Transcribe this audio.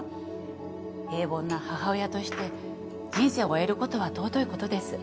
平凡な母親として人生を終える事は尊い事です。